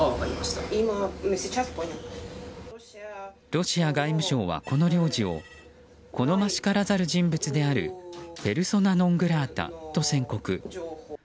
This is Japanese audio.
ロシア外務省はこの領事を好ましからざる人物であるペルソナ・ノン・グラータと宣告。